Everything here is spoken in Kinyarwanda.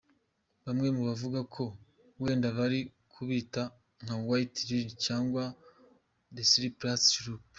Bamwe bavuga ko wenda bari kubita nka White Lily cyangwa se Purple Shrub.